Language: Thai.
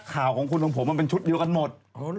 ข่าวของคุณของผมมันเป็นชุดเดียวกันหมด